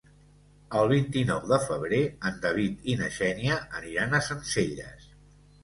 El vint-i-nou de febrer en David i na Xènia aniran a Sencelles.